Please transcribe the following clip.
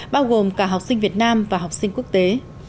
bao gồm cả học sinh việt nam và học sinh quốc tế